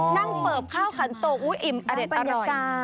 นั่งเปิบข้าวขันโต๊กอุ๊ยอิ่มอร็ดอร่อย